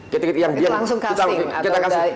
kita langsung casting atau udah